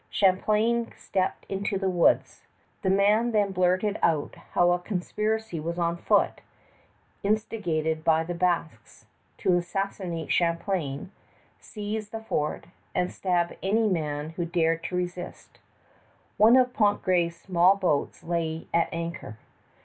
Champlain stepped into the woods. The man then blurted out how a conspiracy was on foot, instigated by the Basques, to assassinate Champlain, seize the fort, and stab any man who dared to resist. One of Pontgravé's small boats lay at anchor.